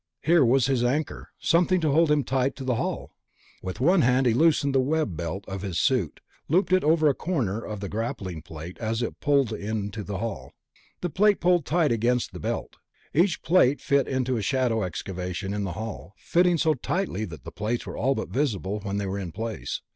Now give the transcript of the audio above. Here was his anchor, something to hold him tight to the hull! With one hand he loosened the web belt of his suit, looped it over a corner of the grappling plate as it pulled in to the hull. The plate pulled tight against the belt. Each plate fit into a shallow excavation in the hull, fitting so tightly that the plates were all but invisible when they were in place.